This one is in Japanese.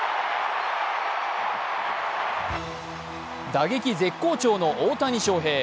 打撃絶好調の大谷翔平。